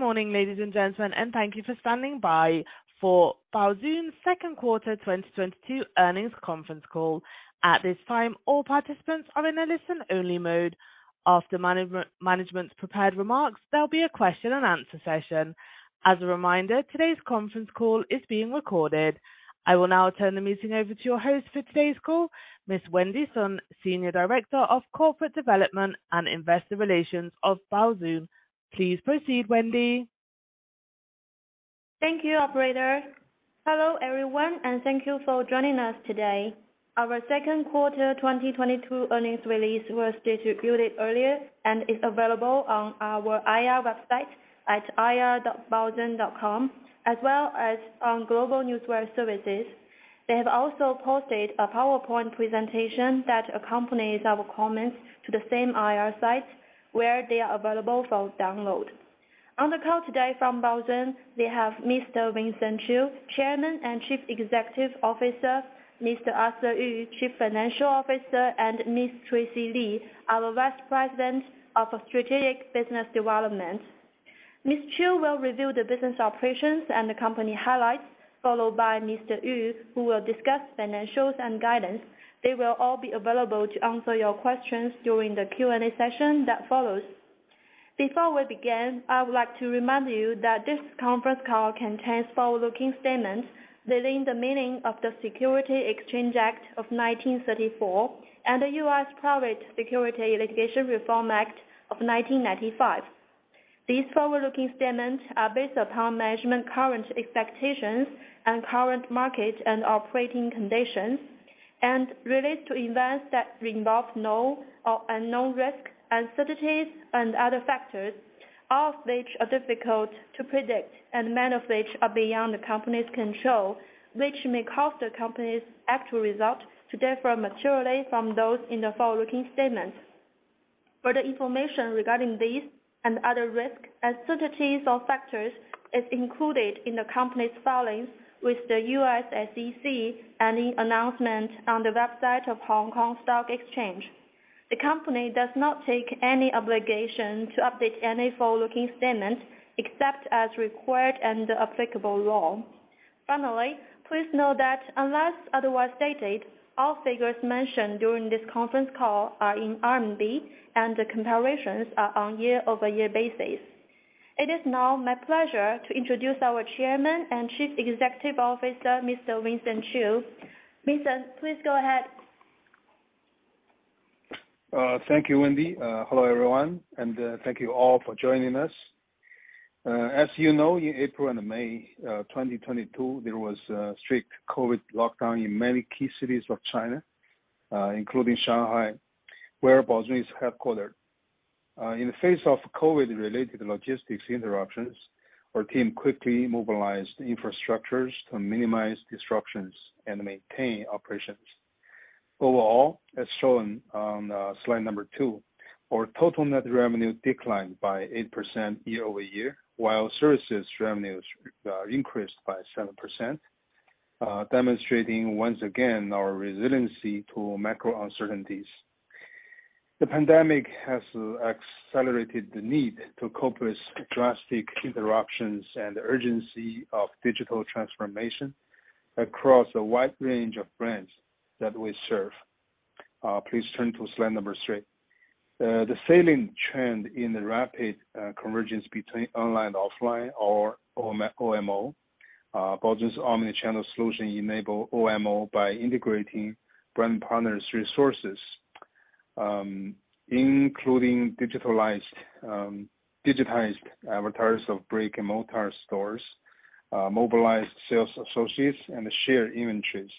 Good morning, ladies and gentlemen, and thank you for standing by for Baozun's Q2 2022 earnings conference call. At this time, all participants are in a listen-only mode. After management's prepared remarks, there'll be a Q&A session. As a reminder, today's conference call is being recorded. I will now turn the meeting over to your host for today's call, Ms. Wendy Sun, Senior Director of Corporate Development and Investor Relations of Baozun. Please proceed, Wendy. Thank you, operator. Hello, everyone, and thank you for joining us today. Our Q2 2022 earnings release was distributed earlier and is available on our IR website at ir.baozun.com, as well as on GlobeNewswire services. They have also posted a PowerPoint presentation that accompanies our comments to the same IR site, where they are available for download. On the call today from Baozun, we have Mr. Vincent Qiu, Chairman and Chief Executive Officer, Mr. Arthur Yu, Chief Financial Officer, and Ms. Tracy Chunlu Li, our Vice President of Strategic Business Development. Mr. Qiu will review the business operations and the company highlights, followed by Mr. Yu, who will discuss financials and guidance. They will all be available to answer your questions during the Q&A session that follows. Before we begin, I would like to remind you that this conference call contains forward-looking statements within the meaning of the Securities Exchange Act of 1934 and the U.S. Private Securities Litigation Reform Act of 1995. These forward-looking statements are based upon management's current expectations and current market and operating conditions, and relate to events that involve known or unknown risks, uncertainties and other factors, all of which are difficult to predict, and many of which are beyond the company's control, which may cause the company's actual results to differ materially from those in the forward-looking statements. Further information regarding these and other risks, uncertainties or factors is included in the company's filings with the U.S. SEC and any announcements on the website of the Hong Kong Stock Exchange. The company does not undertake any obligation to update any forward-looking statements except as required under applicable law. Finally, please note that unless otherwise stated, all figures mentioned during this conference call are in RMB and the comparisons are on year-over-year basis. It is now my pleasure to introduce our Chairman and Chief Executive Officer, Mr. Vincent Qiu. Vincent, please go ahead. Thank you, Wendy. Hello, everyone, and thank you all for joining us. As you know, in April and May 2022, there was a strict COVID lockdown in many key cities of China, including Shanghai, where Baozun is headquartered. In the face of COVID-related logistics interruptions, our team quickly mobilized infrastructures to minimize disruptions and maintain operations. Overall, as shown on slide 2, our total net revenue declined by 8% year-over-year, while services revenues increased by 7%, demonstrating once again our resiliency to macro uncertainties. The pandemic has accelerated the need to cope with drastic interruptions and the urgency of digital transformation across a wide range of brands that we serve. Please turn to slide 3. The salient trend in the rapid convergence between online and offline or OMO, Baozun's omni-channel solution enable OMO by integrating brand partners' resources, including digitized advertisers of brick-and-mortar stores, mobilized sales associates and shared inventories.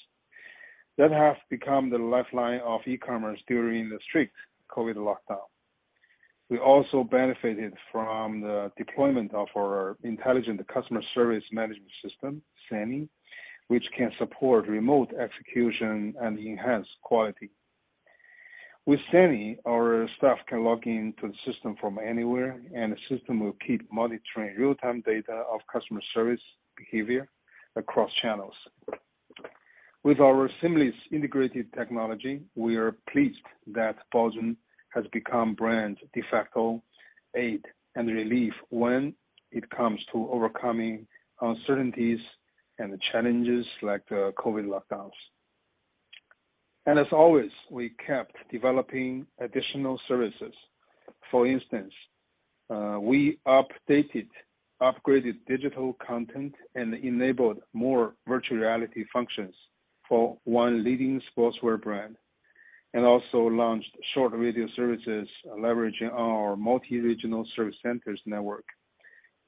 That has become the lifeline of e-commerce during the strict COVID lockdown. We also benefited from the deployment of our intelligent customer service management system, SANI, which can support remote execution and enhance quality. With SANI, our staff can log in to the system from anywhere, and the system will keep monitoring real-time data of customer service behavior across channels. With our seamless integrated technology, we are pleased that Baozun has become brands' de facto aid and relief when it comes to overcoming uncertainties and the challenges like the COVID lockdowns. As always, we kept developing additional services. For instance, we updated, upgraded digital content and enabled more virtual reality functions for one leading sportswear brand, and also launched short video services leveraging our multi-regional service centers network.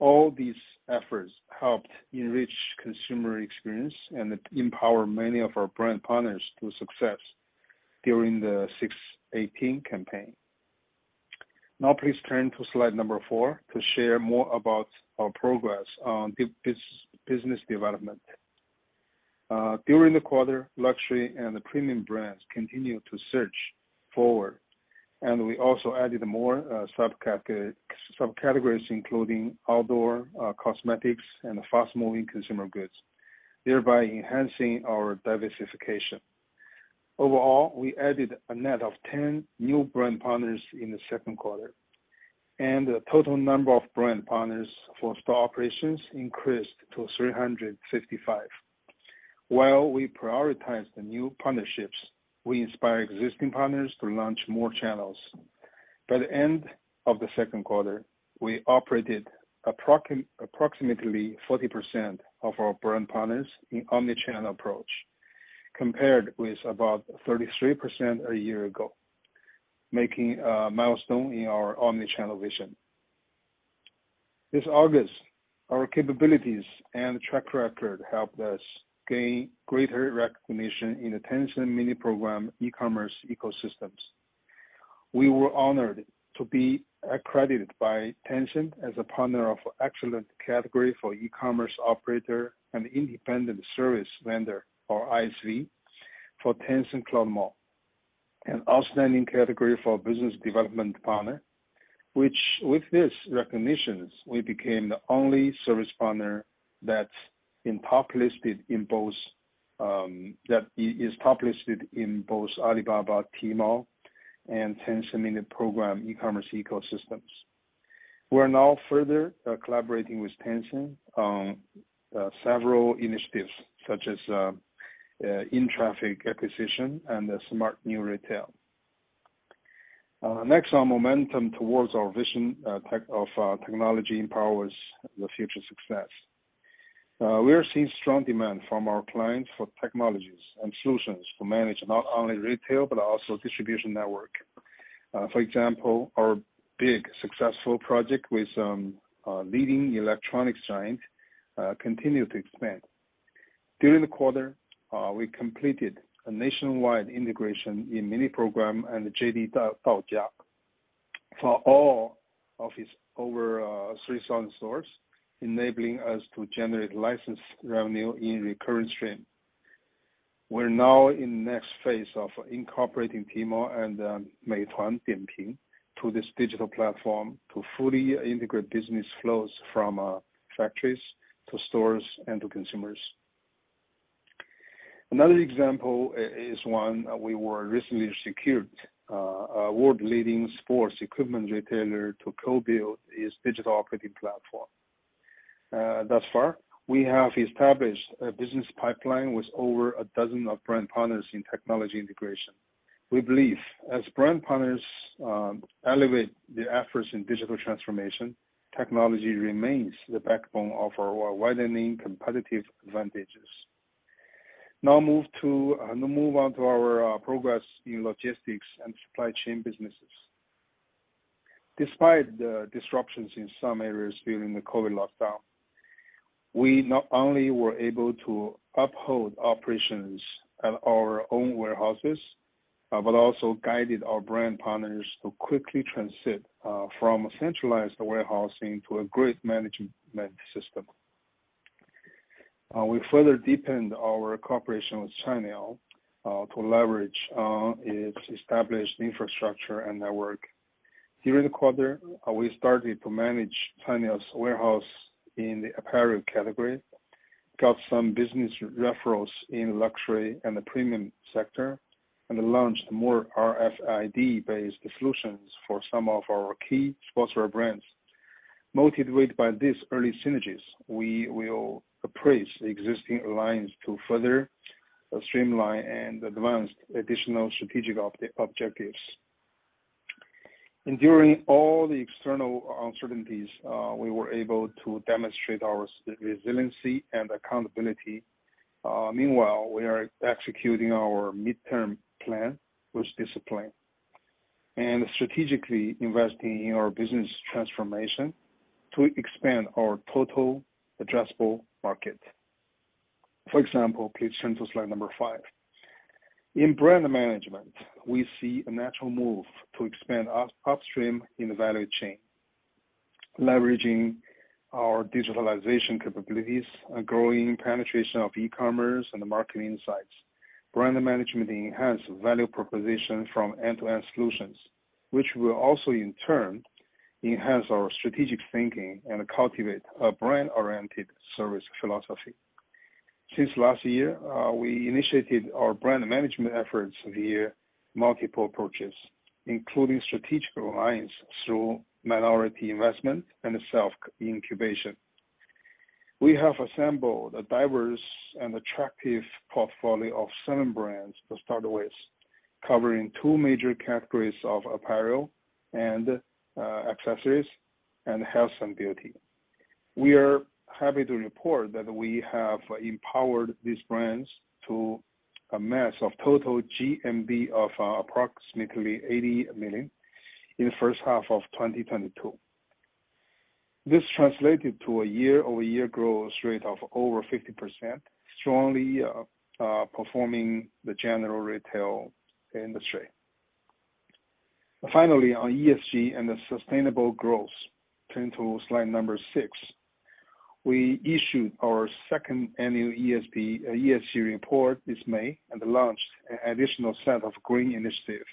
All these efforts helped enrich consumer experience and empower many of our brand partners to success during the 618 campaign. Now please turn to slide 4 to share more about our progress on business development. During the quarter, luxury and the premium brands continued to surged forward, and we also added more, subcategories, including outdoor, cosmetics and fast-moving consumer goods, thereby enhancing our diversification. Overall, we added a net of 10 new brand partners in the Q2, and the total number of brand partners for store operations increased to 355. While we prioritize the new partnerships, we inspire existing partners to launch more channels. By the end of the Q2, we operated approximately 40% of our brand partners in omni-channel approach, compared with about 33% a year ago, marking a milestone in our omni-channel vision. This August, our capabilities and track record helped us gain greater recognition in the Tencent Mini Program e-commerce ecosystems. We were honored to be accredited by Tencent as a partner of excellence category for e-commerce operator and independent service vendor or ISV for Tencent Cloud Mall. An outstanding category for business development partner, which, with these recognitions, we became the only service partner that's top listed in both Alibaba, Tmall, and Tencent Mini Program e-commerce ecosystems. We're now further collaborating with Tencent on several initiatives such as traffic acquisition and smart new retail. Next, our momentum towards our vision of technology empowers the future success. We are seeing strong demand from our clients for technologies and solutions to manage not only retail but also distribution network. For example, our big successful project with a leading electronics continues to expand. During the quarter, we completed a nationwide integration in Mini Program and JD Daojia for all of its over 3,000 stores, enabling us to generate license revenue in recurring stream. We're now in next phase of incorporating Tmall and Meituan Dianping to this digital platform to fully integrate business flows from factories to stores and to consumers. Another example is one we recently secured, a world-leading sports equipment retailer to co-build its digital operating platform. Thus far, we have established a business pipeline with over a dozen of brand partners in technology integration. We believe as brand partners elevate their efforts in digital transformation, technology remains the backbone of our widening competitive advantages. Now move on to our progress in logistics and supply chain businesses. Despite the disruptions in some areas during the COVID lockdown, we not only were able to uphold operations at our own warehouses, but also guided our brand partners to quickly transition from centralized warehousing to a grid management system. We further deepened our cooperation with Cainiao to leverage its established infrastructure and network. During the quarter, we started to manage Cainiao's warehouse in the apparel category, got some business referrals in luxury and the premium sector, and launched more RFID-based solutions for some of our key sportswear brands. Motivated by these early synergies, we will appraise the existing alliance to further streamline and advance additional strategic objectives. During all the external uncertainties, we were able to demonstrate our resiliency and accountability. Meanwhile, we are executing our midterm plan with discipline and strategically investing in our business transformation to expand our total addressable market. For example, please turn to slide number 5. In brand management, we see a natural move to expand upstream in the value chain, leveraging our digitalization capabilities, a growing penetration of e-commerce and the marketing insights. Brand management enhance value proposition from end-to-end solutions, which will also in turn enhance our strategic thinking and cultivate a brand-oriented service philosophy. Since last year, we initiated our brand management efforts via multiple approaches, including strategic alliance through minority investment and self-incubation. We have assembled a diverse and attractive portfolio of seven brands to start with, covering two major categories of apparel and accessories and health and beauty. We are happy to report that we have empowered these brands to amass a total GMV of approximately 80 million in the H1 of 2022. This translated to a year-over-year growth rate of over 50%, strongly performing the general retail industry. Finally, on ESG and the sustainable growth. Turn to slide number six. We issued our second annual ESG report this May and launched an additional set of green initiative.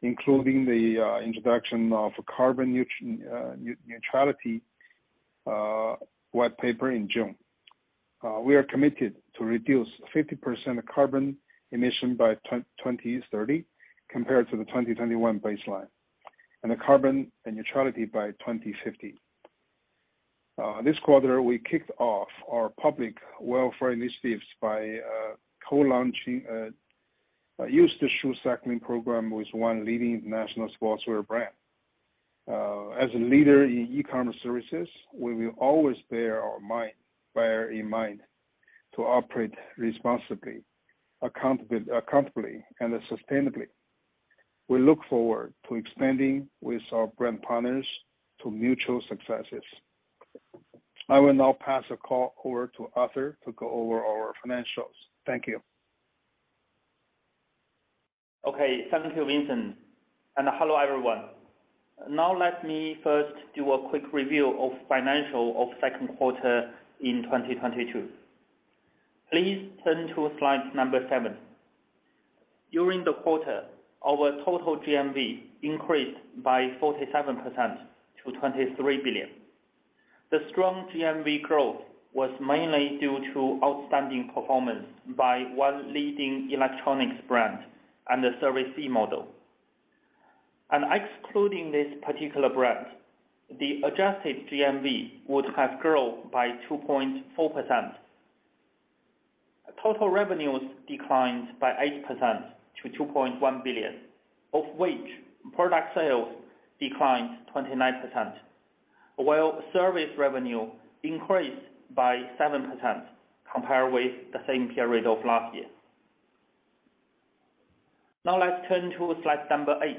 Including the introduction of carbon neutrality white paper in June. We are committed to reduce 50% of carbon emission by 2030 compared to the 2021 baseline, and the carbon neutrality by 2050. This quarter, we kicked off our public welfare initiatives by co-launching a used shoe recycling program with one leading national sportswear brand. As a leader in e-commerce services, we will always bear in mind to operate responsibly, accountably, and sustainably. We look forward to expanding with our brand partners to mutual successes. I will now pass the call over to Arthur to go over our financials. Thank you. Okay. Thank you, Vincent, and hello, everyone. Now let me first do a quick review of financials of Q2 in 2022. Please turn to slide 7. During the quarter, our total GMV increased by 47% to 23 billion. The strong GMV growth was mainly due to outstanding performance by one leading electronics brand and the Service C model. Excluding this particular brand, the adjusted GMV would have grown by 2.4%. Total revenues declined by 8% to 2.1 billion, of which product sales declined 29%, while service revenue increased by 7% compared with the same period of last year. Now let's turn to slide 8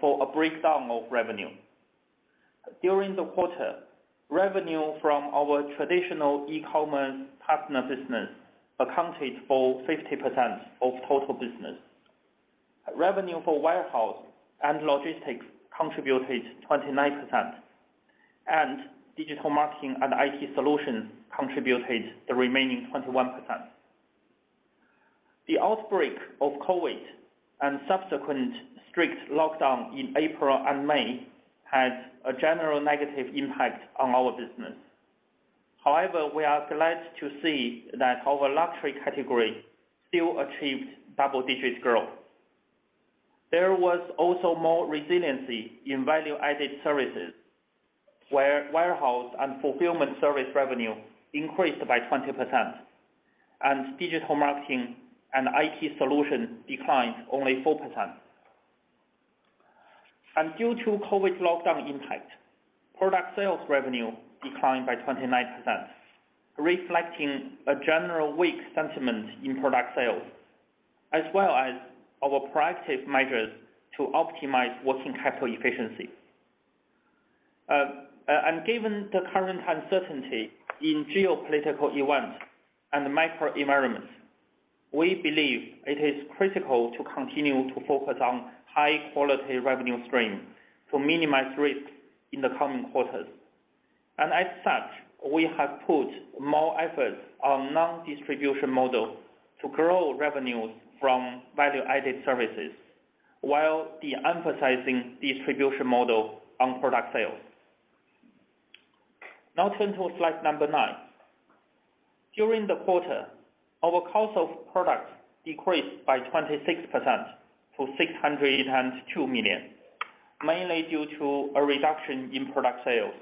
for a breakdown of revenue. During the quarter, revenue from our traditional e-commerce partner business accounted for 50% of total business. Revenue for warehouse and logistics contributed 29%, and digital marketing and IT solutions contributed the remaining 21%. The outbreak of COVID and subsequent strict lockdown in April and May had a general negative impact on our business. However, we are delighted to see that our luxury category still achieved double-digit growth. There was also more resiliency in value-added services, where warehouse and fulfillment service revenue increased by 20% and digital marketing and IT solution declined only 4%. Due to COVID lockdown impact, product sales revenue declined by 29%, reflecting a general weak sentiment in product sales, as well as our proactive measures to optimize working capital efficiency. Given the current uncertainty in geopolitical events and the macro environments, we believe it is critical to continue to focus on high-quality revenue stream to minimize risk in the coming quarters. As such, we have put more efforts on non-distribution model to grow revenues from value-added services while de-emphasizing distribution model on product sales. Now turn to slide 9. During the quarter, our cost of products decreased by 26% to 602 million, mainly due to a reduction in product sales.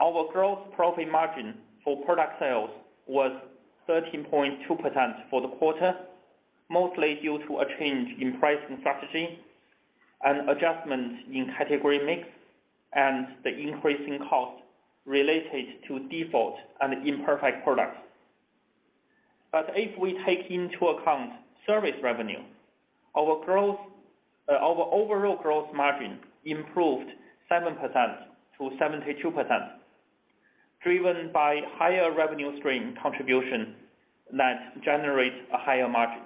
Our gross profit margin for product sales was 13.2% for the quarter, mostly due to a change in pricing strategy and adjustments in category mix, and the increase in cost related to default and imperfect products. If we take into account service revenue, our overall gross margin improved 7% to 72%, driven by higher revenue stream contribution that generates a higher margin.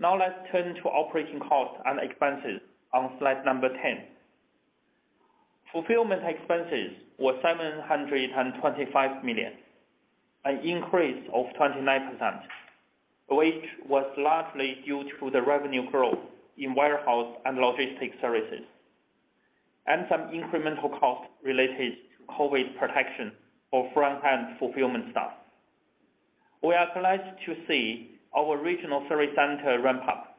Now let's turn to operating costs and expenses on slide 10. Fulfillment expenses were 725 million, an increase of 29%, which was largely due to the revenue growth in warehouse and logistics services, and some incremental costs related to COVID protection for front-end fulfillment staff. We are delighted to see our regional service center ramp up,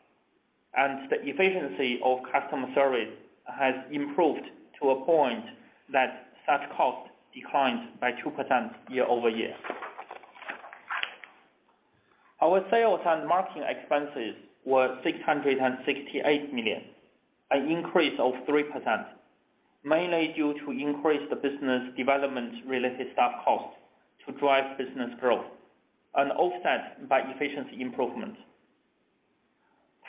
and the efficiency of customer service has improved to a point that such costs declined by 2% year-over-year. Our sales and marketing expenses were 668 million, an increase of 3%, mainly due to increased business development-related staff costs to drive business growth and offset by efficiency improvements.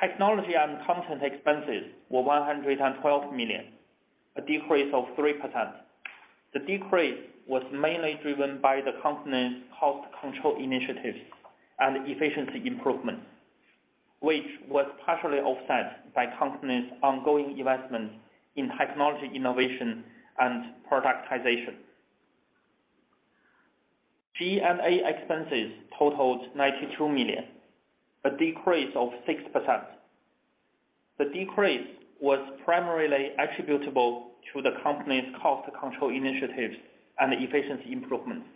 Technology and content expenses were 112 million, a decrease of 3%. The decrease was mainly driven by the company's cost control initiatives and efficiency improvements, which was partially offset by the company's ongoing investment in technology innovation and productization. G&A expenses totaled 92 million, a decrease of 6%. The decrease was primarily attributable to the company's cost control initiatives and efficiency improvements,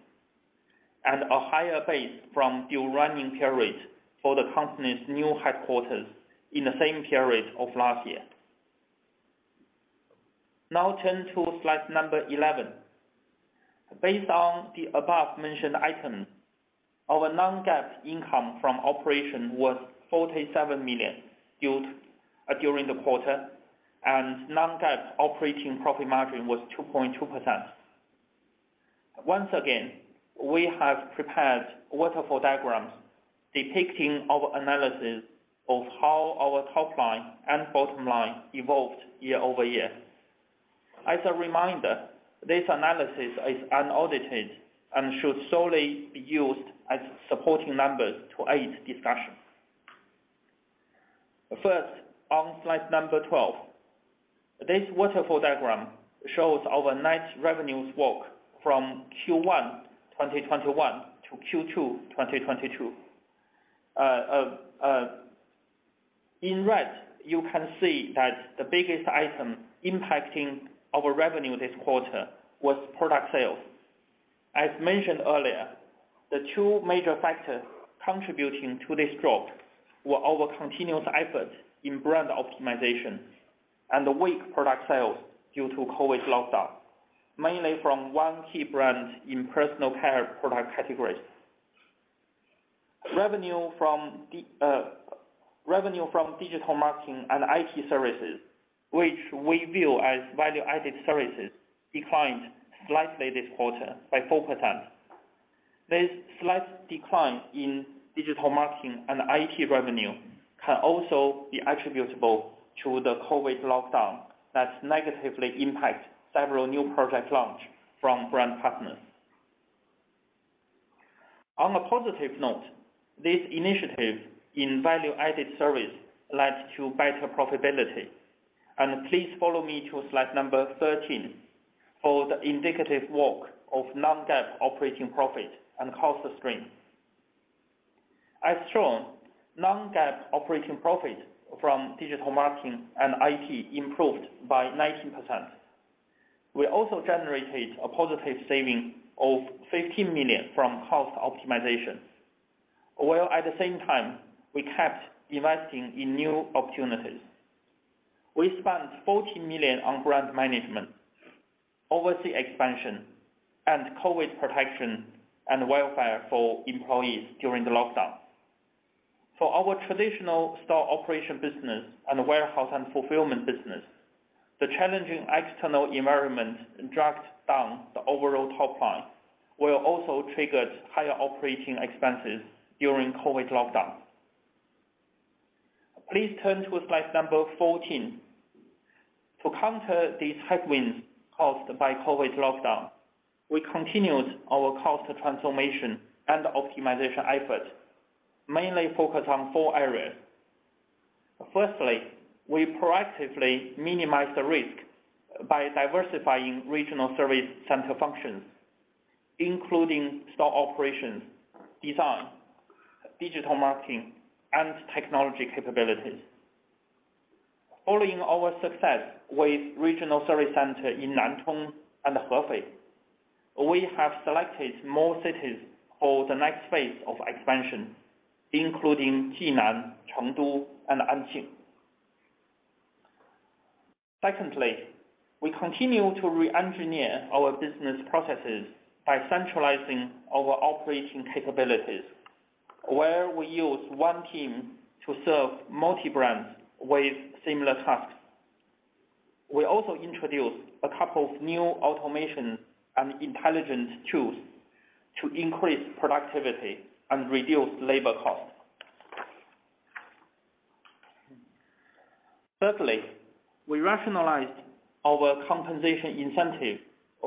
and a higher base from the running period for the company's new headquarters in the same period of last year. Now turn to slide number 11. Based on the above-mentioned item, our non-GAAP income from operation was 47 million during the quarter, and non-GAAP operating profit margin was 2.2%. Once again, we have prepared waterfall diagrams depicting our analysis of how our top line and bottom line evolved year-over-year. As a reminder, this analysis is unaudited and should solely be used as supporting numbers to aid discussion. First, on slide number 12. This waterfall diagram shows our net revenue walk from Q1 2021 to Q2 2022. In red you can see that the biggest item impacting our revenue this quarter was product sales. As mentioned earlier, the two major factors contributing to this drop were our continuous effort in brand optimization and the weak product sales due to COVID lockdown, mainly from one key brand in personal care product category. Revenue from digital marketing and IT services, which we view as value-added services, declined slightly this quarter by 4%. This slight decline in digital marketing and IT revenue can also be attributable to the COVID lockdown that negatively impact several new project launch from brand partners. On a positive note, this initiative in value-added service led to better profitability. Please follow me to slide number 13 for the indicative walkthrough of non-GAAP operating profit and cost structure. As shown, non-GAAP operating profit from digital marketing and IT improved by 19%. We also generated a positive saving of 15 million from cost optimization, while at the same time we kept investing in new opportunities. We spent 14 million on brand management, overseas expansion, and COVID protection and welfare for employees during the lockdown. For our traditional store operation business and warehouse and fulfillment business, the challenging external environment dragged down the overall top line, while also triggered higher operating expenses during COVID lockdown. Please turn to slide number 14. To counter these headwinds caused by COVID lockdown, we continued our cost transformation and optimization effort, mainly focused on four areas. Firstly, we proactively minimized the risk by diversifying regional service center functions, including store operations, design, digital marketing, and technology capabilities. Following our success with regional service center in Nantong and Hefei, we have selected more cities for the next phase of expansion, including Jinan, Chengdu, and Anqing. Secondly, we continue to re-engineer our business processes by centralizing our operating capabilities, where we use one team to serve multi-brands with similar tasks. We also introduced a couple of new automation and intelligence tools to increase productivity and reduce labor cost. Thirdly, we rationalized our compensation incentive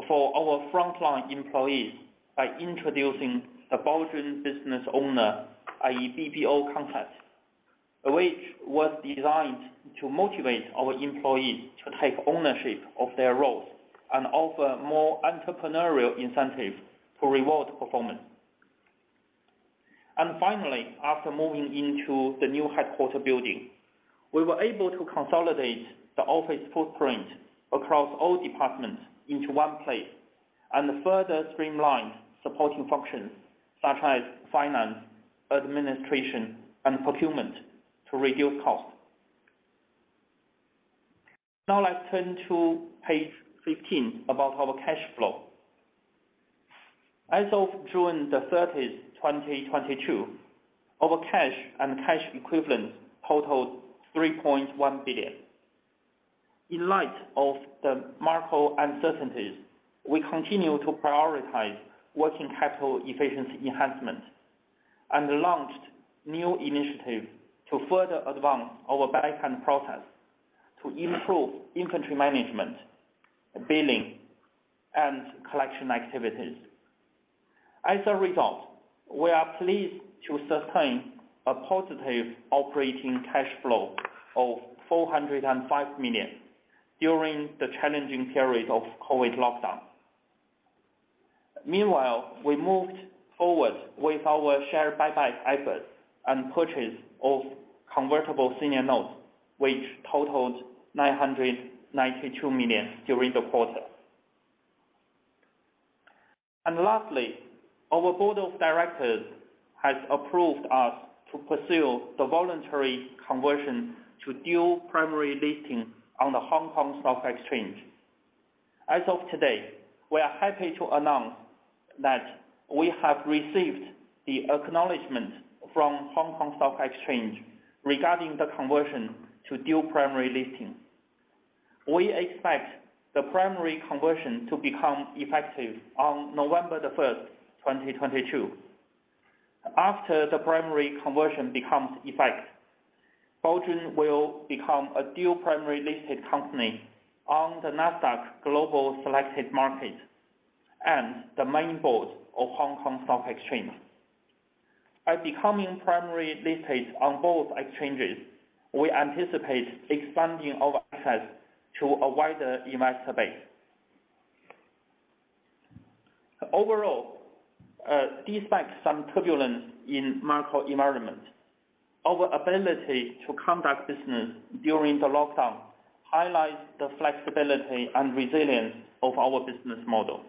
for our frontline employees by introducing the Baozun Business Owner, i.e., BBO concept, which was designed to motivate our employees to take ownership of their roles and offer more entrepreneurial incentive to reward performance. Finally, after moving into the new headquarters building, we were able to consolidate the office footprint across all departments into one place and further streamlined supporting functions such as finance, administration, and procurement to reduce cost. Now let's turn to page 15 about our cash flow. As of June 30, 2022, our cash and cash equivalents totaled 3.1 billion. In light of the market uncertainties, we continue to prioritize working capital efficiency enhancement and launched new initiative to further advance our back-end process to improve inventory management, billing, and collection activities. As a result, we are pleased to sustain a positive operating cash flow of 405 million during the challenging period of COVID lockdown. Meanwhile, we moved forward with our share buyback efforts and purchase of convertible senior notes, which totaled 992 million during the quarter. Lastly, our board of directors has approved us to pursue the voluntary conversion to dual primary listing on the Hong Kong Stock Exchange. As of today, we are happy to announce that we have received the acknowledgement from Hong Kong Stock Exchange regarding the conversion to dual primary listing. We expect the primary conversion to become effective on November 1, 2022. After the primary conversion becomes effective, Baozun will become a dual primary listed company on the Nasdaq Global Select Market and the main board of Hong Kong Stock Exchange. By becoming primary listed on both exchanges, we anticipate expanding our access to a wider investor base. Overall, despite some turbulence in macro environment, our ability to conduct business during the lockdown highlights the flexibility and resilience of our business model.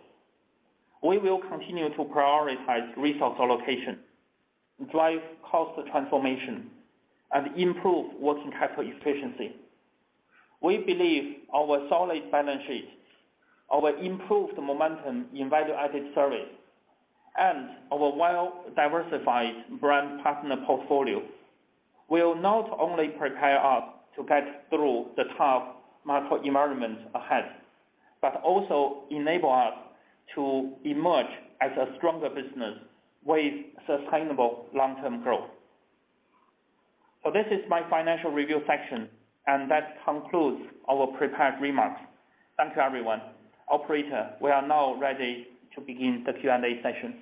We will continue to prioritize resource allocation, drive cost transformation, and improve working capital efficiency. We believe our solid balance sheet, our improved momentum in value-added service, and our well-diversified brand partner portfolio will not only prepare us to get through the tough macro environment ahead, but also enable us to emerge as a stronger business with sustainable long-term growth. This is my financial review section, and that concludes our prepared remarks. Thanks everyone. Operator, we are now ready to begin the Q&A session.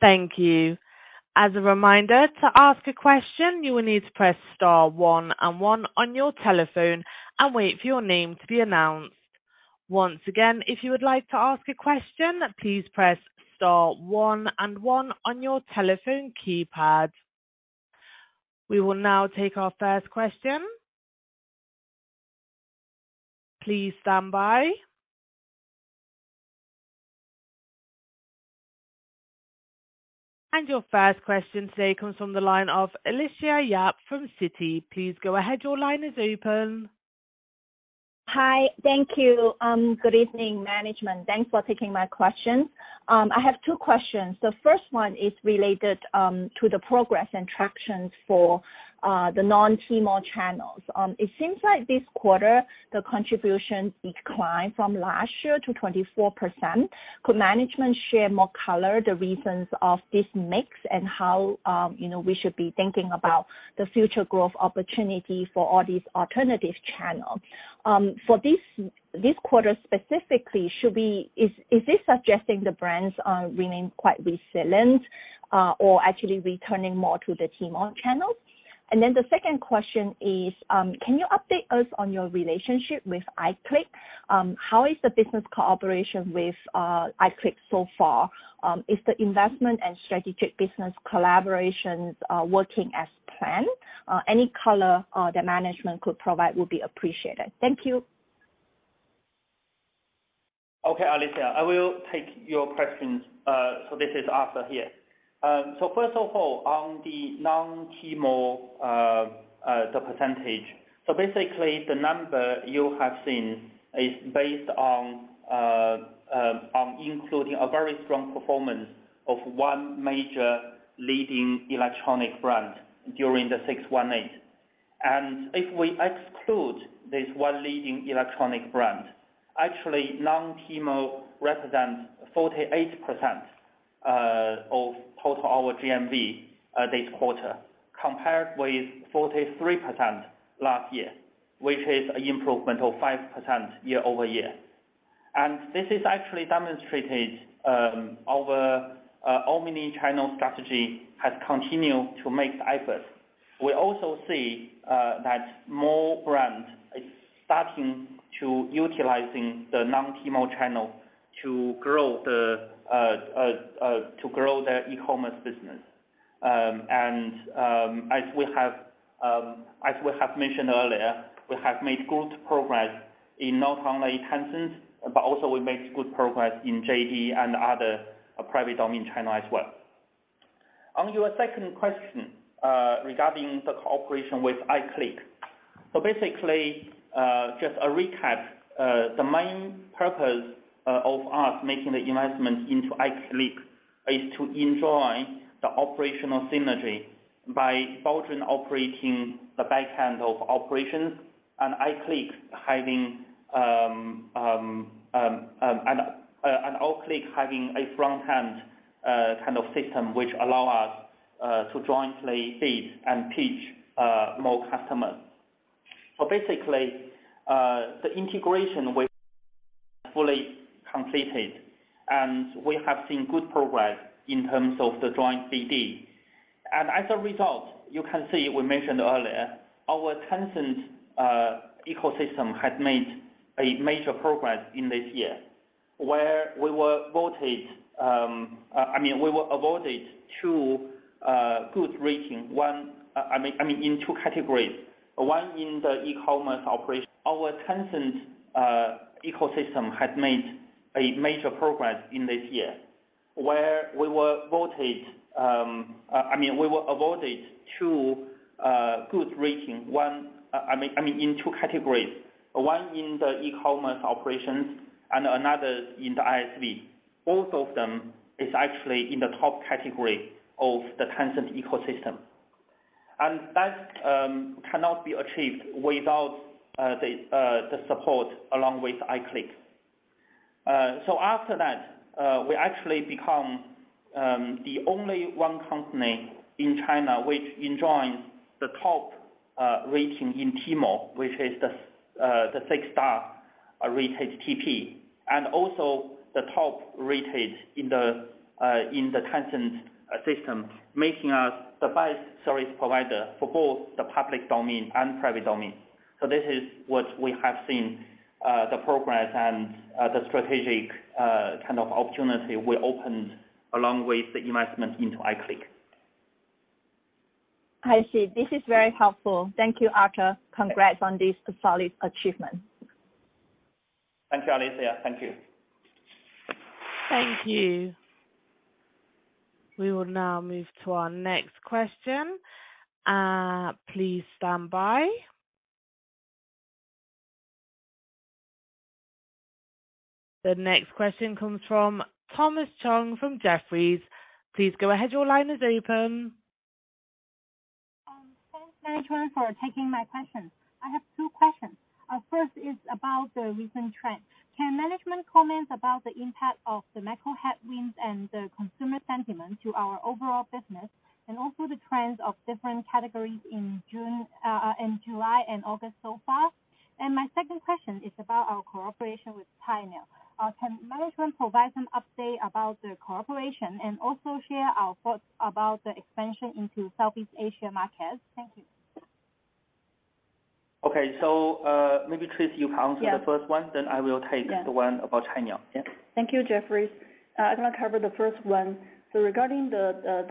Thank you. As a reminder, to ask a question, you will need to press star one and one on your telephone and wait for your name to be announced. Once again, if you would like to ask a question, please press star one and one on your telephone keypad. We will now take our first question. Please stand by. Your first question today comes from the line of Alicia Yap from Citi. Please go ahead, your line is open. Hi. Thank you. Good evening, management. Thanks for taking my questions. I have two questions. The first one is related to the progress and traction for the non-Tmall channels. It seems like this quarter, the contribution declined from last year to 24%. Could management share more color on the reasons for this mix and how, you know, we should be thinking about the future growth opportunity for all these alternative channels? For this quarter specifically, is this suggesting the brands remain quite resilient or actually returning more to the Tmall channels? Then the second question is, can you update us on your relationship with iClick? How is the business cooperation with iClick so far? Is the investment and strategic business collaborations working as planned? Any color the management could provide would be appreciated. Thank you. Okay, Alicia, I will take your questions. This is Arthur here. First of all, on the non-Tmall, the percentage. Basically, the number you have seen is based on including a very strong performance of one major leading electronic brand during the 618. If we exclude this one leading electronic brand, actually, non-Tmall represents 48% of total our GMV this quarter, compared with 43% last year, which is improvement of 5% year-over-year. This is actually demonstrated our omni-channel strategy has continued to make efforts. We also see that more brands is starting to utilizing the non-Tmall channel to grow their e-commerce business. As we have mentioned earlier, we have made good progress in not only Tencent, but also in JD.com and other private-domain channel as well. On your second question, regarding the cooperation with iClick. Basically, just a recap, the main purpose of us making the investment into iClick is to enjoy the operational synergy by Baozun operating the back-end of operations and iClick having a front-end kind of system which allow us to jointly reach and teach more customers. The integration we fully completed, and we have seen good progress in terms of the joint BD. As a result, you can see we mentioned earlier, our Tencent ecosystem has made a major progress in this year, where we were awarded two good ratings in two categories. One in the e-commerce operations and another in the ISV. Both of them is actually in the top category of the Tencent ecosystem. That cannot be achieved without the support along with iClick. After that, we actually become the only one company in China which enjoys the top rating in Tmall, which is the six-star rated TP. Also the top rated in the Tencent system, making us the best service provider for both the public domain and private domain. This is what we have seen, the progress and the strategic kind of opportunity we opened along with the investment into iClick. I see. This is very helpful. Thank you, Arthur. Congrats on this solid achievement. Thank you, Alicia. Thank you. Thank you. We will now move to our next question. Please stand by. The next question comes from Thomas Chong from Jefferies. Please go ahead. Your line is open. Thanks very much for taking my questions. I have two questions. First is about the recent trend. Can management comment about the impact of the macro headwinds and the consumer sentiment to our overall business, and also the trends of different categories in June, in July and August so far? My second question is about our cooperation with Cainiao. Can management provide some update about the cooperation and also share our thoughts about the expansion into Southeast Asia markets? Thank you. Okay. Maybe Tracy, you can answer- Yeah. The first one, then I will take. Yeah. The one about Cainiao. Yeah. Thank you, Jefferies. I'm gonna cover the first one. Regarding the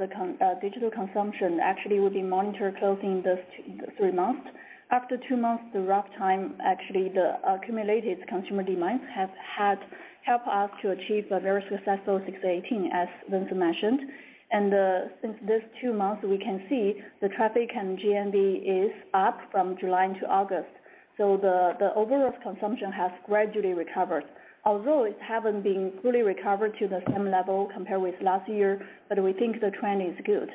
digital consumption, actually, we've been monitoring closely these three months. After two months, the tough time, actually, the accumulated consumer demands have helped us to achieve a very successful 618, as Vincent mentioned. Since these two months, we can see the traffic and GMV is up from July into August. The overall consumption has gradually recovered. Although it hasn't been fully recovered to the same level compared with last year, but we think the trend is good.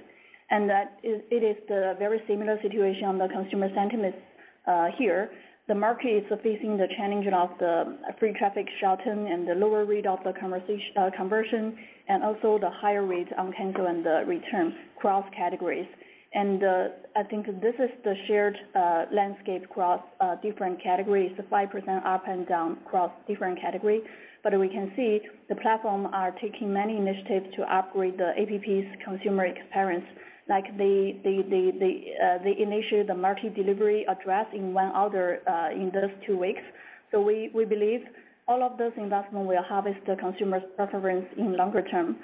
That is the very similar situation on the consumer sentiments here. The market is facing the challenge of the free traffic shortage and the lower rate of conversion, and also the higher rate on cancellation and the return across categories. I think this is the shared landscape across different categories, the 5% up and down across different category. We can see the platform are taking many initiatives to upgrade the app's consumer experience. Like they initiate the multi-delivery address in one order in those two weeks. We believe all of this investment will harvest the consumer's preference in longer term.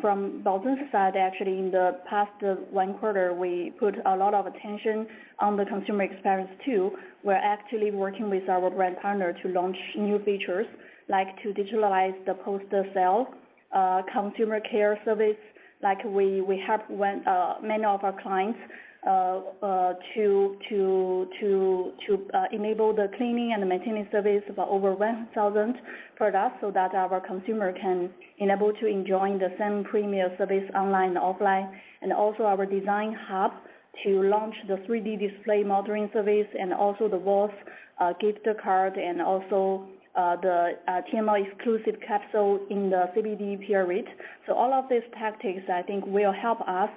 From the JD Daojia side, actually, in the past Q1, we put a lot of attention on the consumer experience too. We're actually working with our brand partner to launch new features, like to digitalize the post-sale consumer care service. Like we help when many of our clients to enable the cleaning and the maintenance service for over 1,000 products so that our consumer can enable to enjoy the same premium service online, offline. Also our design hub to launch the 3D display modeling service and also the vase gift card and also the Tmall exclusive capsule in the 618 period. All of these tactics, I think, will help us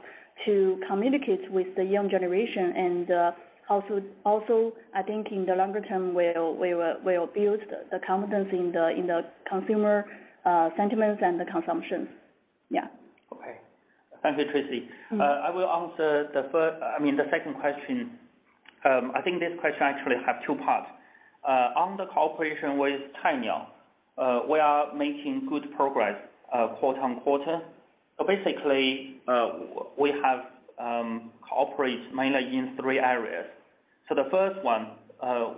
to communicate with the young generation and also I think in the longer term, we'll build the confidence in the consumer sentiments and the consumption. Yeah. Okay. Thank you, Tracy. Mm-hmm. I will answer the second question. I think this question actually have two parts. On the cooperation with Cainiao, we are making good progress quarter-over-quarter. Basically, we have cooperate mainly in three areas. The first one,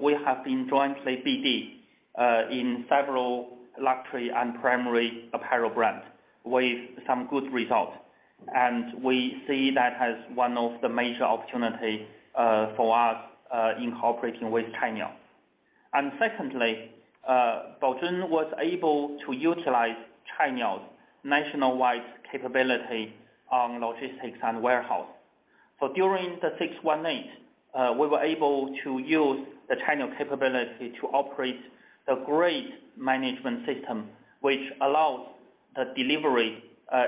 we have been jointly BD in several luxury and premium apparel brands with some good results. We see that as one of the major opportunity for us in cooperating with Cainiao. Secondly, Baozun was able to utilize Cainiao's nationwide capability on logistics and warehouse. During the 618, we were able to use the Cainiao capability to operate a great management system, which allows the delivery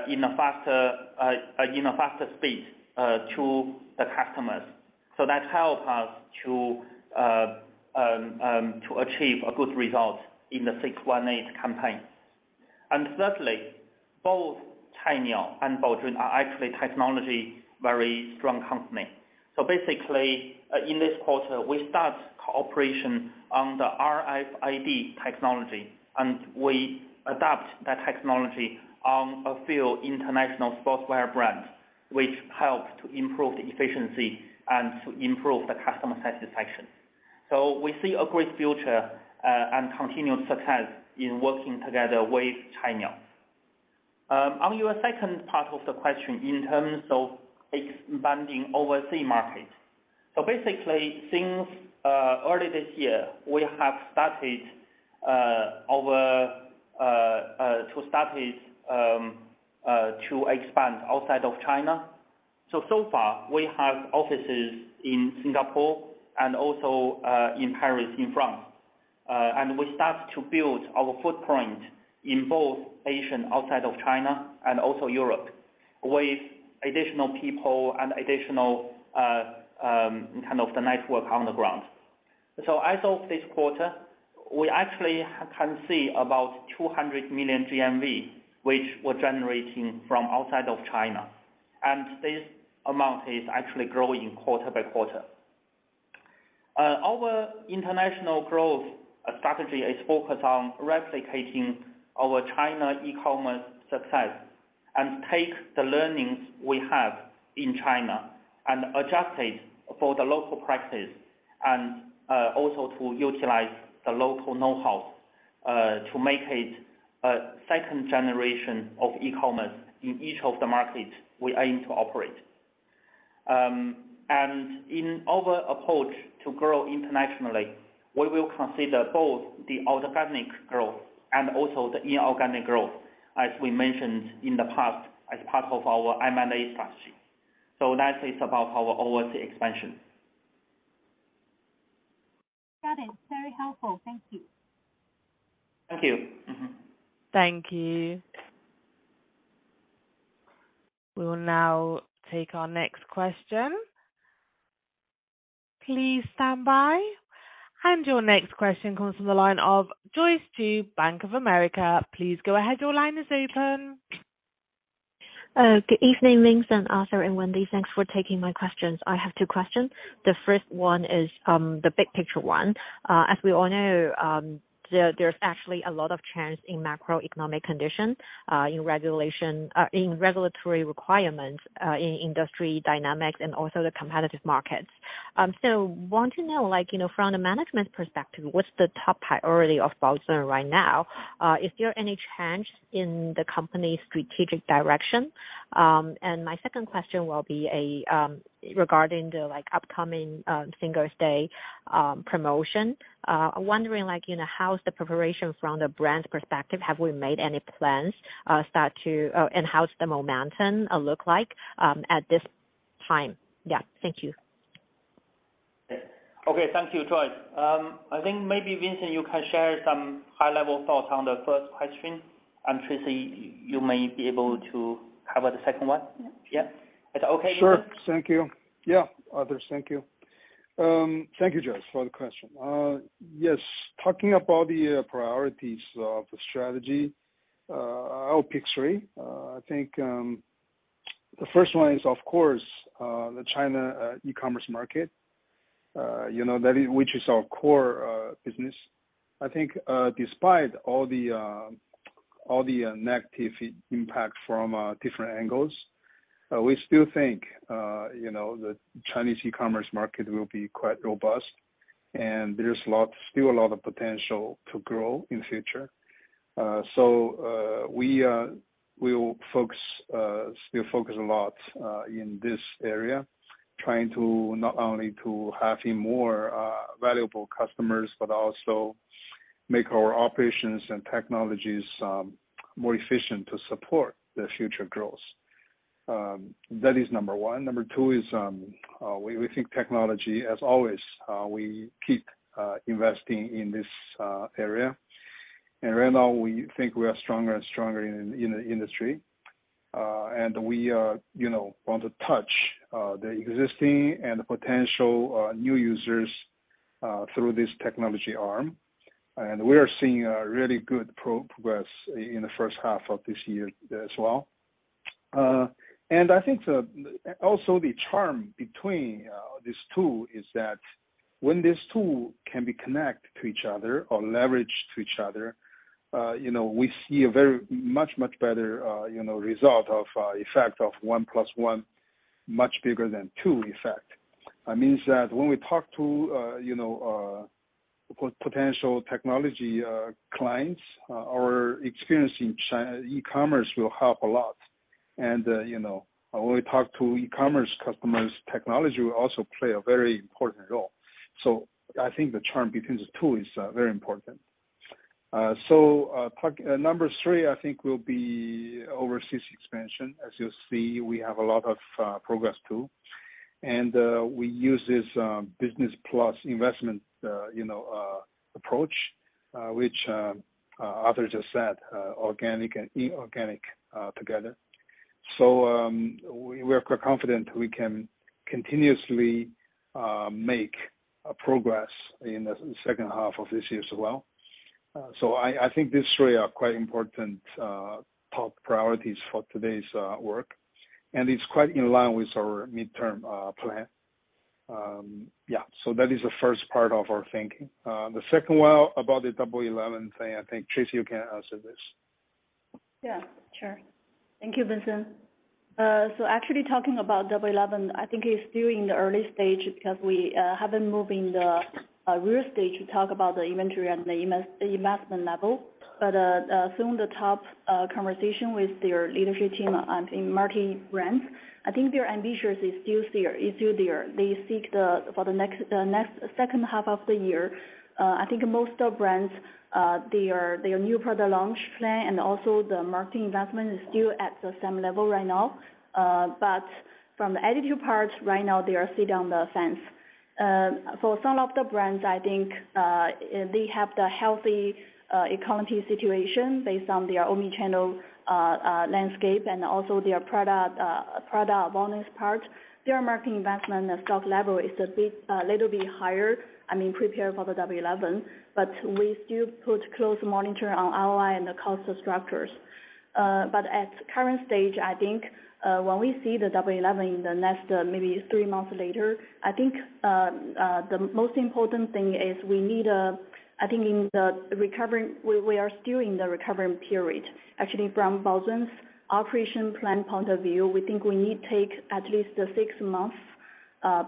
in a faster speed to the customers. That helps us to achieve a good result in the 618 campaign. Thirdly, both Cainiao and Baozun are actually technologically very strong companies. Basically, in this quarter, we started cooperation on the RFID technology, and we adopted that technology on a few international sportswear brands, which helps to improve the efficiency and to improve the customer satisfaction. We see a great future and continued success in working together with Cainiao. On your second part of the question in terms of expanding overseas markets. Basically, since early this year, we have started to expand outside of China. So far we have offices in Singapore and also in Paris, in France. We start to build our footprint in both Asia outside of China and also Europe with additional people and additional kind of the network on the ground. As of this quarter, we actually can see about 200 million GMV, which we're generating from outside of China, and this amount is actually growing quarter-by-quarter. Our international growth strategy is focused on replicating our China e-commerce success and take the learnings we have in China and adjust it for the local practice and also to utilize the local know-how to make it a second generation of e-commerce in each of the markets we aim to operate. In our approach to grow internationally, we will consider both the organic growth and also the inorganic growth, as we mentioned in the past, as part of our M&A strategy. That is about our overseas expansion. Got it. Very helpful. Thank you. Thank you. Mm-hmm. Thank you. We will now take our next question. Please stand by. Your next question comes from the line of Joyce Ju, Bank of America. Please go ahead. Your line is open. Good evening, Vincent, Arthur, and Wendy. Thanks for taking my questions. I have two questions. The first one is the big picture one. As we all know, there's actually a lot of trends in macroeconomic conditions, in regulation, in regulatory requirements, in industry dynamics and also the competitive markets. Want to know, like, you know, from the management perspective, what's the top priority of Baozun right now? Is there any change in the company's strategic direction? My second question will be regarding the, like, upcoming Singles' Day promotion. Wondering, like, you know, how's the preparation from the brand's perspective? Have we made any plans? How's the momentum look like at this time? Yeah. Thank you. Okay. Thank you, Joyce. I think maybe Vincent, you can share some high-level thoughts on the first question. Tracy, you may be able to cover the second one. Yeah. Yeah. Is that okay, Vincent? Sure. Thank you. Yeah, Arthur, thank you. Thank you, Joyce, for the question. Yes, talking about the priorities of the strategy, I'll pick three. I think the first one is, of course, the China e-commerce market, you know, which is our core business. I think despite all the negative impact from different angles, we still think you know, the Chinese e-commerce market will be quite robust and there is still a lot of potential to grow in future. We will still focus a lot in this area, trying to not only have more valuable customers, but also make our operations and technologies more efficient to support the future growth. That is number one. Number two is, we think technology as always, we keep investing in this area. Right now, we think we are stronger and stronger in the industry. We are, you know, want to touch the existing and potential new users through this technology arm. We are seeing a really good progress in the H1 of this year as well. I think also the charm between these two is that when these two can be connect to each other or leverage to each other, you know, we see a much better, you know, result of effect of one plus one much bigger than two effect. That means that when we talk to, you know, potential technology clients, our experience in e-commerce will help a lot. You know, when we talk to e-commerce customers, technology will also play a very important role. I think the charm between the two is very important. Talk number three, I think, will be overseas expansion. As you'll see, we have a lot of progress too. We use this business plus investment you know approach which others have said organic and inorganic together. We're quite confident we can continuously make a progress in the H2 of this year as well. I think these three are quite important top priorities for today's work, and it's quite in line with our midterm plan. Yeah, that is the first part of our thinking. The second one about the Double Eleven thing, I think, Tracy, you can answer this. Yeah, sure. Thank you, Vincent. Actually talking about Double Eleven, I think it's still in the early stage because we have been moving the real estate to talk about the inventory and the investment level. Some of the top conversation with their leadership team on in marketing brands, I think their ambitions is still there. They seek the for the next H2 of the year, I think most of brands their new product launch plan and also the marketing investment is still at the same level right now. From the attitude part, right now they are sit on the fence. For some of the brands, I think, they have the healthy economy situation based on their omni-channel landscape and also their product bonus part. Their marketing investment and stock level is a bit little bit higher, I mean, prepared for the Double Eleven. We still put close monitor on ROI and the cost structures. At current stage, I think, when we see the Double Eleven in the next, maybe three months later, I think, the most important thing is we need, I think in the recovery we are still in the recovery period. Actually, from Baozun's operation plan point of view, we think we need take at least a six-month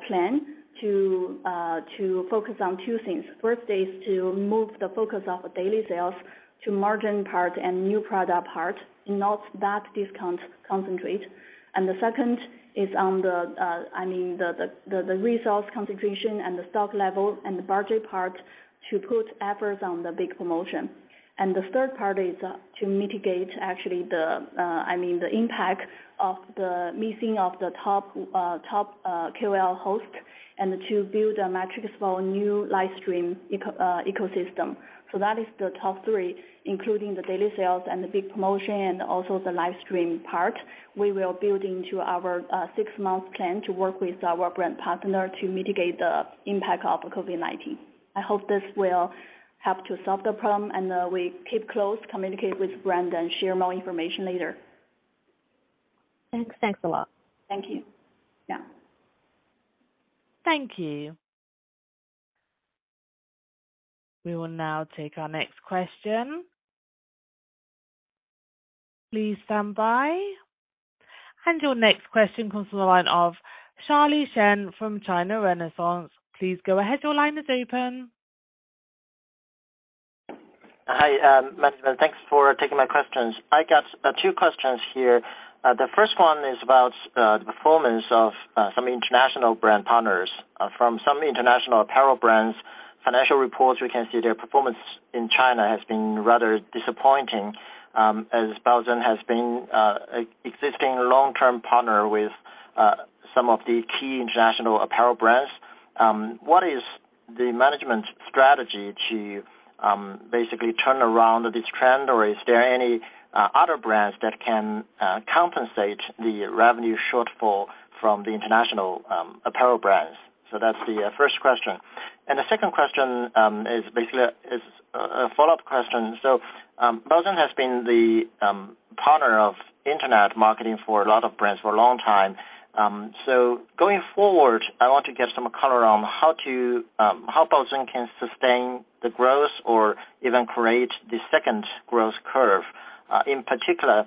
plan to focus on two things. First is to move the focus of daily sales to margin part and new product part, not the discount concentration. The second is on the, I mean, the resource concentration and the stock level and the budget part to put efforts on the big promotion. The third part is, actually, to mitigate the impact of the missing of the top KOL host and to build metrics for new live stream ecosystem. That is the top three, including the daily sales and the big promotion and also the live stream part. We will build into our six-month plan to work with our brand partner to mitigate the impact of COVID-19. I hope this will help to solve the problem, and we keep close communication with brand and share more information later. Thanks. Thanks a lot. Thank you. Yeah. Thank you. We will now take our next question. Please stand by. Your next question comes from the line of Charlie Chen from China Renaissance. Please go ahead. Your line is open. Hi, management. Thanks for taking my questions. I got two questions here. The first one is about the performance of some international brand partners. From some international apparel brands financial reports, we can see their performance in China has been rather disappointing. As Baozun has been existing long-term partner with some of the key international apparel brands, what is the management strategy to basically turn around this trend? Or is there any other brands that can compensate the revenue shortfall from the international apparel brands? That's the first question. The second question is basically a follow-up question. Baozun has been the partner of internet marketing for a lot of brands for a long time. Going forward, I want to get some color on how to how Baozun can sustain the growth or even create the second growth curve. In particular,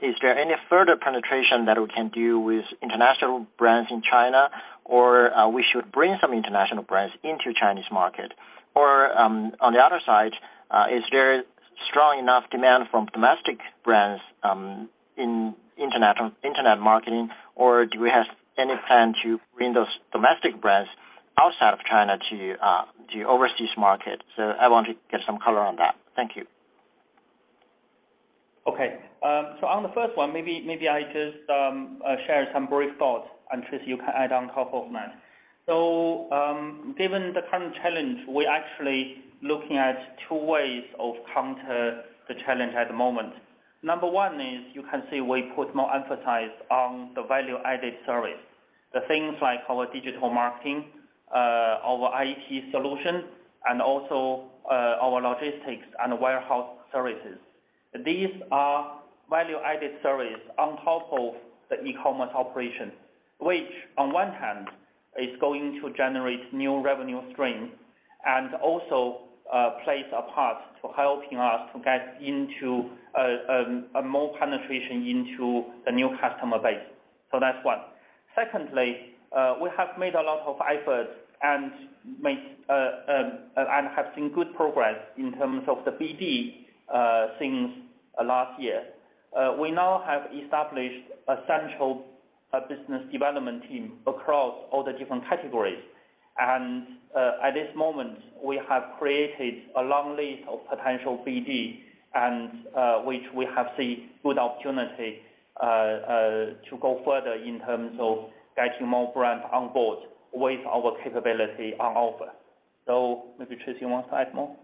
is there any further penetration that we can do with international brands in China, or we should bring some international brands into Chinese market? Or, on the other side, is there strong enough demand from domestic brands in internet or internet marketing, or do we have any plan to bring those domestic brands outside of China to overseas market? I want to get some color on that. Thank you. Okay. On the first one, maybe I just share some brief thoughts, and Tracy, you can add on top of mine. Given the current challenge, we're actually looking at two ways of counter the challenge at the moment. Number one is you can see we put more emphasis on the value-added service. The things like our digital marketing, our IT solution, and also, our logistics and warehouse services. These are value-added service on top of the e-commerce operation, which on one hand is going to generate new revenue stream and also, plays a part to helping us to get into, more penetration into the new customer base. That's one. Secondly, we have made a lot of effort and have seen good progress in terms of the BD, since last year. We now have established a central business development team across all the different categories. At this moment, we have created a long list of potential BD, which we have seen good opportunity to go further in terms of getting more brands on board with our capability on offer. Maybe Tracy Li wants to add more.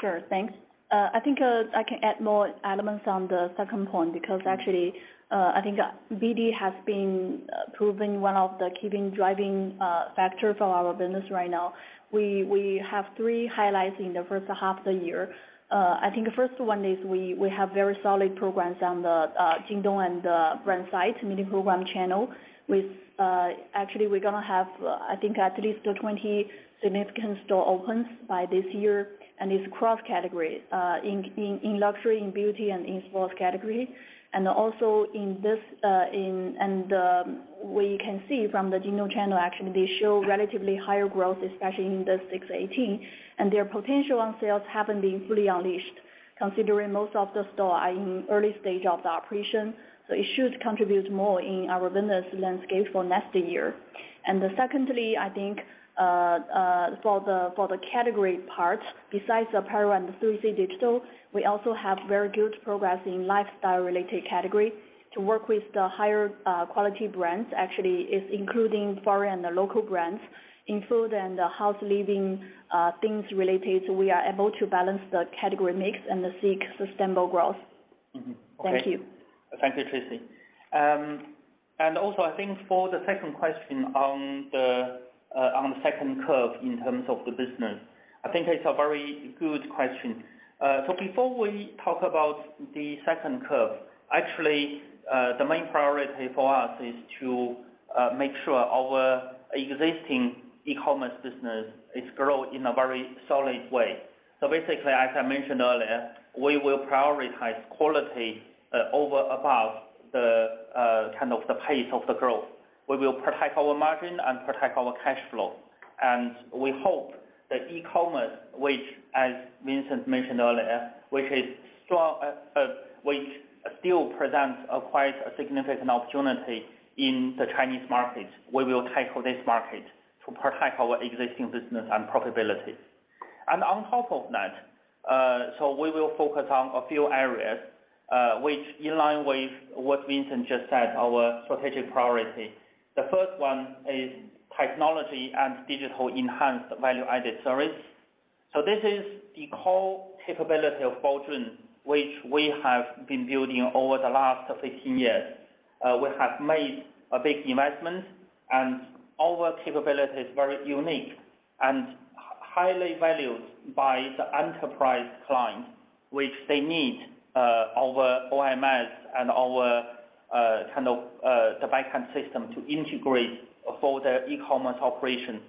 Sure. Thanks. I think I can add more elements on the second point because actually I think BD has been proving one of the key driving factors of our business right now. We have three highlights in the H1 of the year. I think the first one is we have very solid programs on the Jingdong and the brand site mini program channel, with actually we're gonna have I think at least 20 significant store opens by this year. It's cross category in luxury in beauty and in sports category. Also in this in... We can see from the Jingdong channel, actually they show relatively higher growth, especially in the 618, and their potential on sales haven't been fully unleashed, considering most of the store are in early stage of the operation. It should contribute more in our business landscape for next year. Secondly, I think, for the category part, besides apparel and 3C Digital, we also have very good progress in lifestyle related category to work with the higher quality brands. Actually, it's including foreign and local brands in food and house living things related. We are able to balance the category mix and seek sustainable growth. Mm-hmm. Okay. Thank you. Thank you, Tracy. Also, I think for the second question on the second curve in terms of the business, I think it's a very good question. Before we talk about the second curve, actually, the main priority for us is to make sure our existing e-commerce business is growing in a very solid way. Basically, as I mentioned earlier, we will prioritize quality over above the kind of the pace of the growth. We will protect our margin and protect our cash flow. We hope that e-commerce, which as Vincent mentioned earlier, which is strong, which still presents a quite significant opportunity in the Chinese market. We will tackle this market to protect our existing business and profitability. We will focus on a few areas, which in line with what Vincent just said, our strategic priority. The first one is technology and digital enhanced value-added service. This is the core capability of Baozun, which we have been building over the last 15 years. We have made a big investment, and our capability is very unique and highly valued by the enterprise client, which they need, our OMS and our, kind of, the backend system to integrate for their e-commerce operation.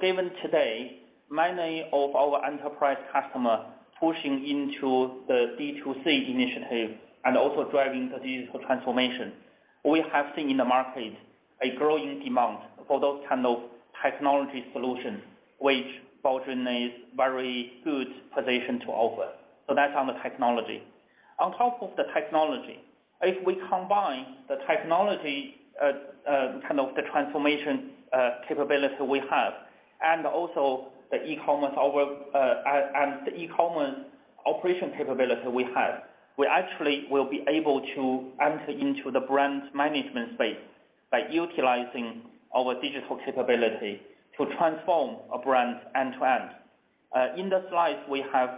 Given today, many of our enterprise customer pushing into the B2C initiative and also driving the digital transformation, we have seen in the market a growing demand for those kind of technology solutions which Baozun is very good position to offer. That's on the technology. On top of the technology, if we combine the technology, kind of the transformation capability we have, and also the e-commerce operation capability we have, we actually will be able to enter into the brand management space by utilizing our digital capability to transform a brand end to end. In the slides we have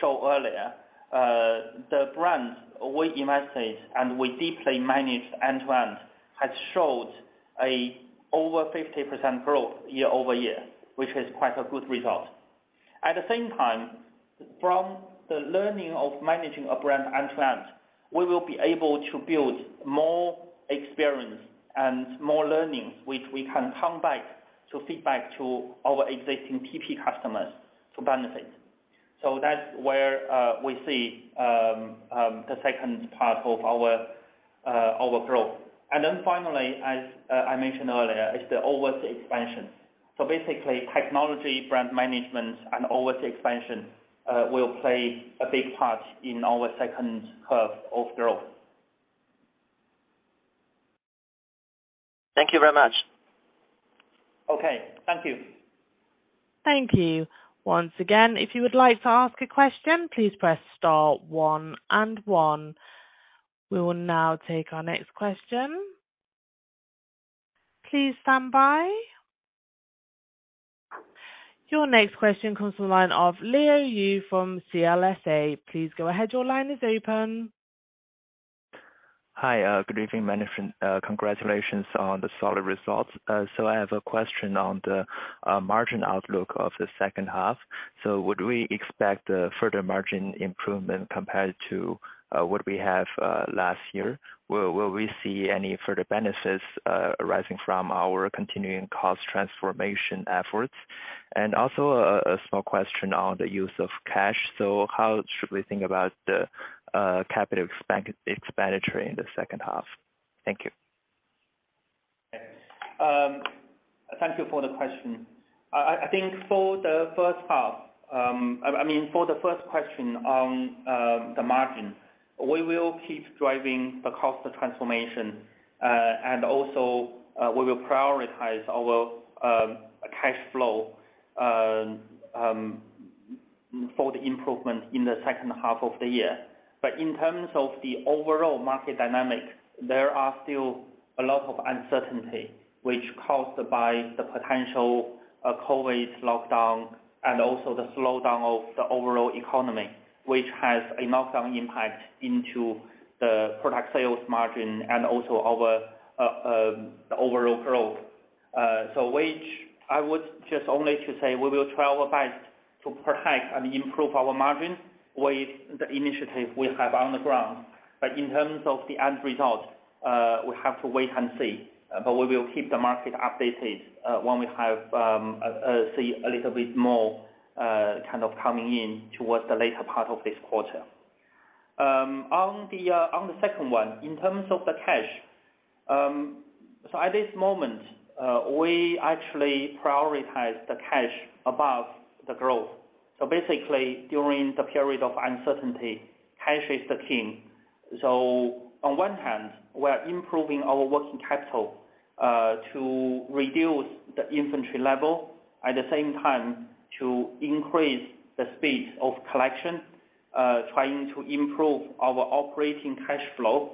shown earlier, the brands we invested and we deeply manage end to end has showed over 50% growth year-over-year, which is quite a good result. At the same time, from the learning of managing a brand end to end, we will be able to build more experience and more learnings which we can come back to feedback to our existing BP customers to benefit. That's where we see the second part of our growth. Finally, as I mentioned earlier, is the overseas expansion. Basically technology, brand management, and overseas expansion will play a big part in our second curve of growth. Thank you very much. Okay, thank you. Thank you. Once again, if you would like to ask a question, please press star one and one. We will now take our next question. Please stand by. Your next question comes to the line of Leo You from CLSA. Please go ahead. Your line is open. Hi. Good evening, management. Congratulations on the solid results. I have a question on the margin outlook of the H2. Would we expect a further margin improvement compared to what we have last year? Will we see any further benefits arising from our continuing cost transformation efforts? Also a small question on the use of cash. How should we think about the capital expenditure in the H2? Thank you. Thank you for the question. I think, for the first question on the margin, we will keep driving the cost of transformation, and also, we will prioritize our cash flow for the improvement in the H of the year. In terms of the overall market dynamic, there are still a lot of uncertainty which caused by the potential COVID lockdown and also the slowdown of the overall economy, which has a knock-on impact on the product sales margin and also our overall growth. I would just only say we will try our best to protect and improve our margin with the initiative we have on the ground. In terms of the end result, we have to wait and see. We will keep the market updated when we see a little bit more kind of coming in towards the later part of this quarter. On the second one, in terms of the cash, at this moment, we actually prioritize the cash above the growth. Basically, during the period of uncertainty, cash is the king. On one hand, we are improving our working capital to reduce the inventory level, at the same time to increase the speed of collection, trying to improve our operating cash flow.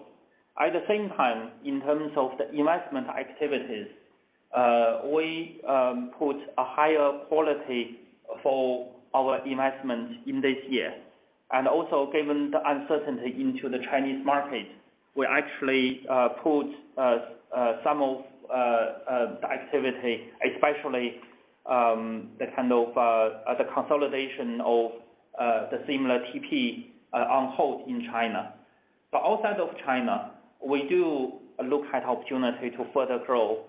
At the same time, in terms of the investment activities, we put a higher quality for our investment in this year. Also given the uncertainty into the Chinese market, we actually put some of the activity, especially the kind of the consolidation of the similar TP on hold in China. Outside of China, we do look at opportunity to further grow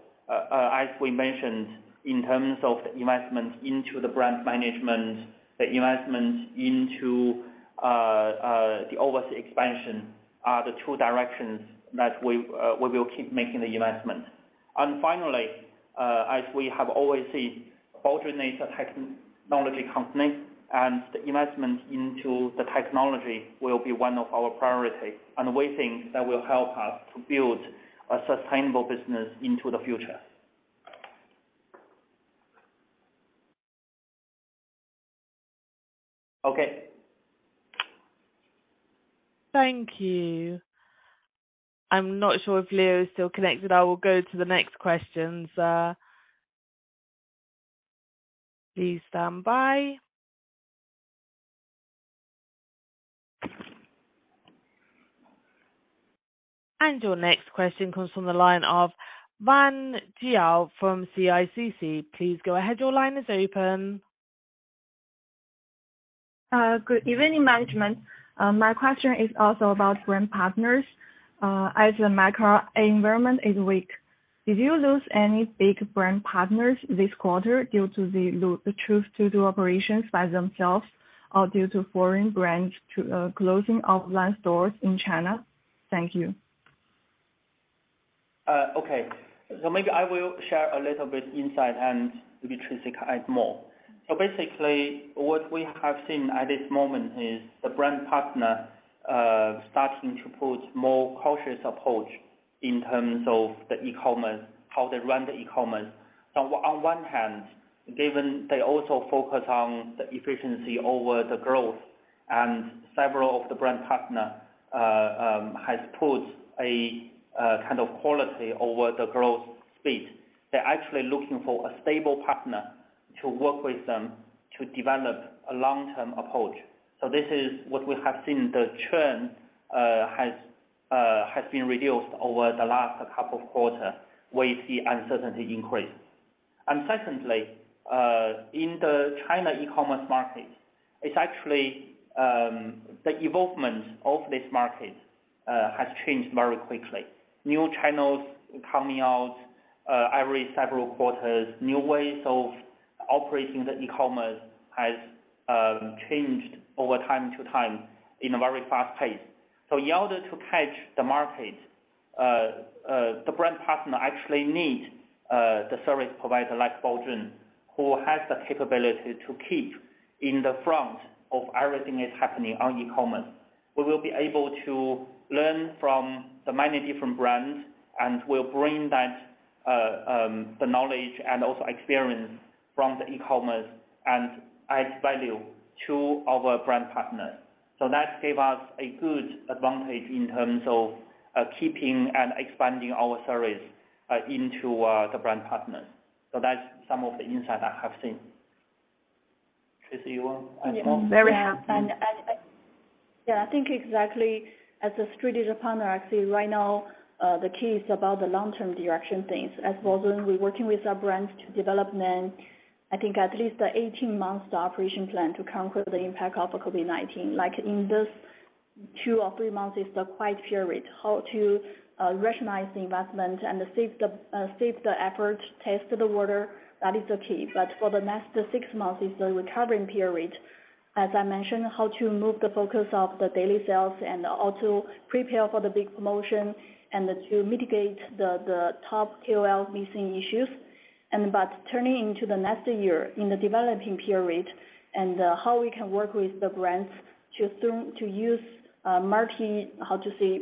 as we mentioned, in terms of the investment into the brand management, the investment into the overseas expansion are the two directions that we will keep making the investment. Finally, as we have always said, Baozun is a technology company, and the investment into the technology will be one of our priorities. We think that will help us to build a sustainable business into the future. Okay. Thank you. I'm not sure if Leo is still connected. I will go to the next questions. Please stand by. Your next question comes from the line of Wan Jiao from CICC. Please go ahead. Your line is open. Good evening, management. My question is also about brand partners. As the macro environment is weak, did you lose any big brand partners this quarter due to they choose to do operations by themselves or due to foreign brands too closing offline stores in China? Thank you. Maybe I will share a little bit insight and maybe Tracy can add more. Basically, what we have seen at this moment is the brand partner starting to put more cautious approach in terms of the e-commerce, how they run the e-commerce. On one hand, given they also focus on the efficiency over the growth, and several of the brand partner has put a kind of quality over the growth speed. They're actually looking for a stable partner to work with them to develop a long-term approach. This is what we have seen. The churn has been reduced over the last couple of quarter. We see uncertainty increase. Secondly, in the China e-commerce market, it's actually the evolvement of this market has changed very quickly. New channels coming out every several quarters. New ways of operating the e-commerce has changed over time to time in a very fast pace. In order to catch the market, the Brand Partner actually need the service provider like Baozun, who has the capability to keep in the front of everything is happening on e-commerce. We will be able to learn from the many different brands, and we'll bring that the knowledge and also experience from the e-commerce and add value to our Brand Partners. That gave us a good advantage in terms of keeping and expanding our service into the Brand Partners. That's some of the insight I have seen. Tracy, you want to add more? Yeah. Very happy. Yeah, I think exactly as a strategic partner, I see right now the key is about the long-term direction things. At Baozun, we're working with our brands to develop them, I think at least the 18-month operation plan to conquer the impact of COVID-19. Like in this two or three months is the quiet period. How to rationalize the investment and save the effort, test the water, that is the key. For the next 6 months is the recovering period. As I mentioned, how to move the focus of the daily sales and also prepare for the big promotion and to mitigate the top KOL missing issues. Turning into the next year in the developing period and how we can work with the brands to use marketing, how to say,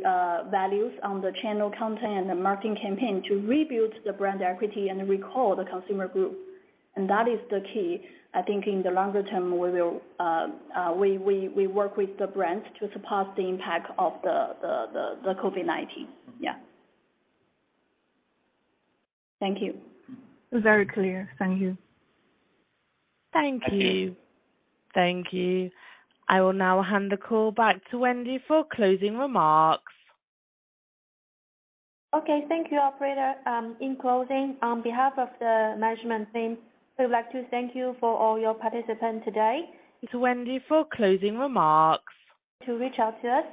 values on the channel content and the marketing campaign to rebuild the brand equity and recall the consumer group. That is the key. I think in the longer term, we will work with the brands to surpass the impact of the COVID-19. Yeah. Thank you. It was very clear. Thank you. Thank you. I will now hand the call back to Wendy for closing remarks. Thank you, operator. In closing, on behalf of the management team, we would like to thank you for all your participation today. To Wendy for closing remarks. To reach out to us.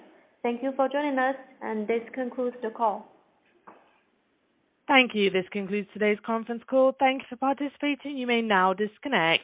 Thank you for joining us, and this concludes the call. Thank you. This concludes today's conference call. Thank you for participating. You may now disconnect.